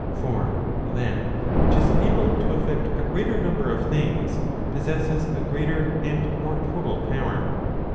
For that which is able to effect a greater number of things, possesses a greater and more total power.